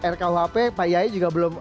rkuhp pak yai juga belum